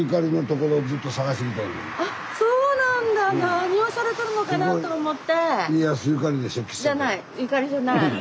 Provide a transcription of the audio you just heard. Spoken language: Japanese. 何をされてるのかなと思って。